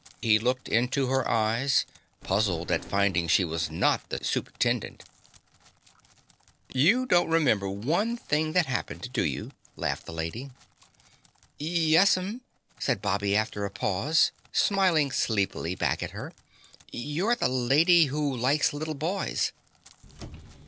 He looked into her eyes, puzzled at finding she was not the Supe'tendent. "You don't remember one thing that happened, do you?" laughed the lady. "Yes'm," said Bobby after a pause, smiling sleepily back at her. "You're the Lady Who Likes Little Boys."